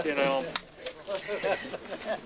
ハハハハ。